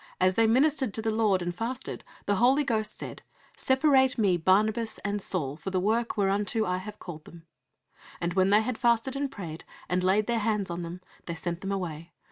As they ministered to the Lord, and fasted, the Holy Ghost said, Separate Me Barnabas and Saul for the work whereunto I have called them. And when they had fasted and prayed, and laid their hands on them, they sent them away.